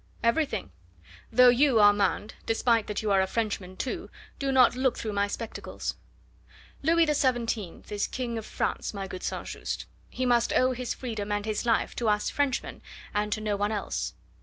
"Everything; though you, Armand, despite that you are a Frenchman too, do not look through my spectacles. Louis XVII is King of France, my good St. Just; he must owe his freedom and his life to us Frenchmen, and to no one else."